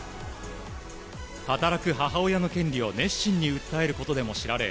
働く母親の権利を熱心に訴えることでも知られ